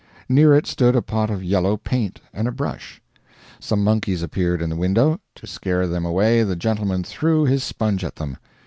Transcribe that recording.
Near it stood a pot of yellow paint and a brush. Some monkeys appeared in the window; to scare them away, the gentleman threw his sponge at them.